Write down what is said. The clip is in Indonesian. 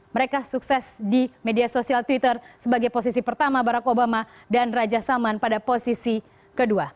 mereka sukses di media sosial twitter sebagai posisi pertama barack obama dan raja salman pada posisi kedua